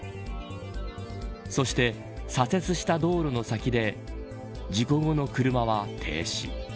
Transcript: そして、左折した道路の先で事故後の車は停止。